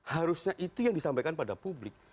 harusnya itu yang disampaikan pada publik